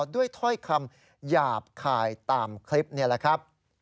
ถ้อยคำหยาบคายตามคลิปนี่แหละครับ